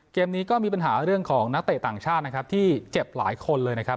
เกมนี้ก็มีปัญหาเรื่องของนักเตะต่างชาตินะครับที่เจ็บหลายคนเลยนะครับ